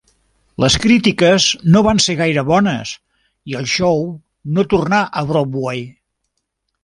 Les crítiques no van ser gaire bones, i el show no tornà a Broadway.